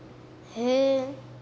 へえ。